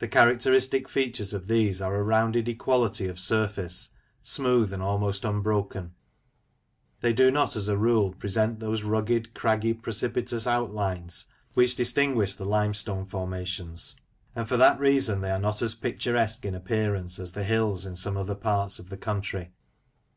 The characteristic features of these are a rounded equality of surface, smooth and almost unbroken. They do not, as a rule, present those rugged, craggy, precipitous outlines which distinguish the limestone formations, and for that reason they are not as picturesque in appearance as the hills in some other parts of the country.